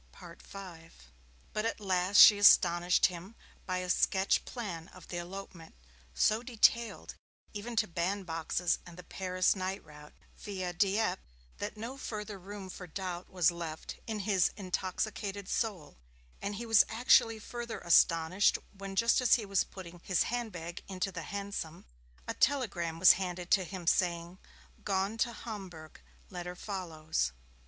V But at last she astonished him by a sketch plan of the elopement, so detailed, even to band boxes and the Paris night route via Dieppe, that no further room for doubt was left in his intoxicated soul, and he was actually further astonished when, just as he was putting his hand bag into the hansom, a telegram was handed to him saying: 'Gone to Homburg. Letter follows.'